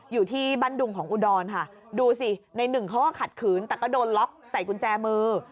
อยู่ที่บ้านดุงของอุดรค่ะดูสิในหนึ่งเขาก็ขัดขืนแต่ก็โดนล็อกใส่กุญแจมือ